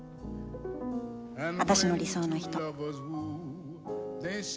私の理想の人。